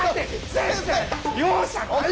先生！